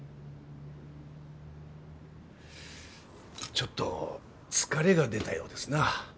ちょっと疲れが出たようですな。